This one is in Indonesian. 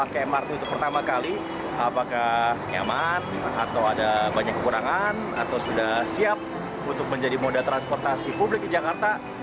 kekurangan atau sudah siap untuk menjadi moda transportasi publik di jakarta